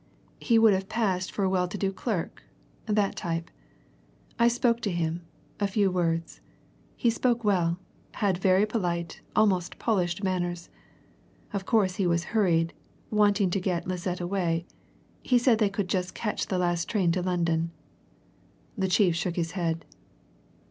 He would have passed for a well to do clerk that type. I spoke to him a few words. He spoke well had very polite, almost polished manners. Of course he was hurried wanting to get Lisette away he said they could just catch the last train to London." The chief shook his head.